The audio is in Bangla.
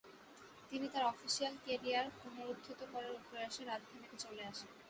তিনি তার অফিসিয়াল কেরিয়ার পুনরুত্থিত করার প্রয়াসে রাজধানীতে চলে আসেন।